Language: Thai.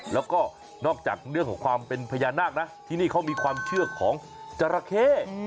แล้วก็นอกจากเรื่องของความเป็นพญานาคนะที่นี่เขามีความเชื่อของจราเข้